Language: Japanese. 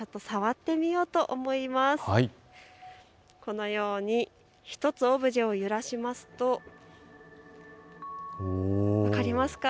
このように１つ、オブジェを揺らしますと分かりますか？